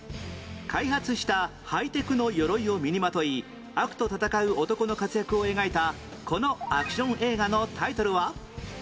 開発したハイテクの鎧を身にまとい悪と戦う男の活躍を描いたこのアクション映画のタイトルは？